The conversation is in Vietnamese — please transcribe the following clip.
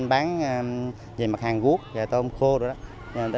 nói chung là mặt hàng thị sản thì cùng chung với thị trường cao hơn có giá cả